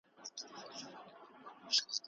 خندا طبعیت ښه ساتي.